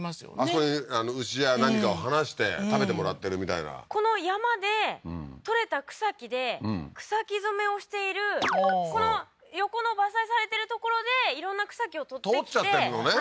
そういう牛や何かを放して食べてもらってるみたいなこの山で採れた草木で草木染めをしているこの横の伐採されてる所で色んな草木を採ってきて採っちゃってるのね